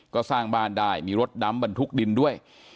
ก็สร้างบ้านได้มีรถดำบรรทุกดินด้วย